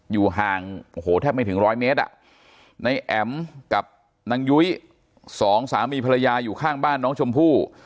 อยู่ห่างโอ้โหแทบไม่ถึงร้อยเมตรอ่ะนายแอ๋มกับนางยุ้ยสองสามีภรรยาอยู่ข้างบ้านน้องชมพู่